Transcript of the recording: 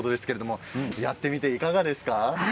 やってみていかがですか？